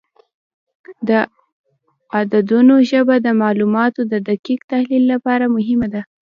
د عددونو ژبه د معلوماتو د دقیق تحلیل لپاره مهمه ده.